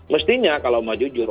mestinya kalau mau jujur